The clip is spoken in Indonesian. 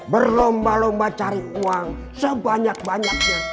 berlomba lomba cari uang sebanyak banyaknya